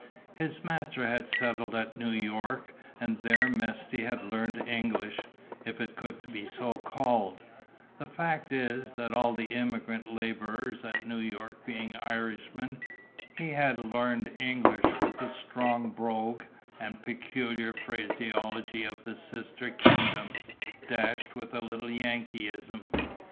His master had settled at New York, and there Mesty had learned English, if it could be so called: the fact is, that all the emigrant laborers at New York being Irishmen, he had learned English with the strong brogue and peculiar phraseology of the sister kingdom, dashed with a little Yankeeism.